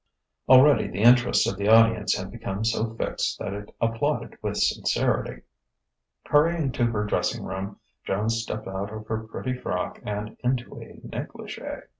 Already the interest of the audience had become so fixed that it applauded with sincerity. Hurrying to her dressing room, Joan stepped out of her pretty frock and into a negligee.